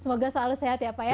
semoga selalu sehat ya pak ya